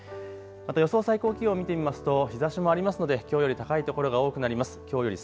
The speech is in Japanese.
また予想最高気温、見てみますと日ざしもありますのできょうより高い所が多くなります。